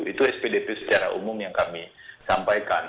itu spdp secara umum yang kami sampaikan